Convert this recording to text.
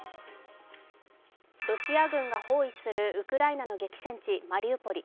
ロシア軍が包囲するウクライナの激戦地マリウポリ。